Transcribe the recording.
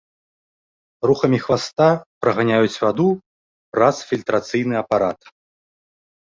Рухамі хваста праганяюць ваду праз фільтрацыйны апарат.